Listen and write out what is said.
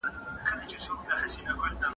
تقلب د خلکو باور له منځه وړي.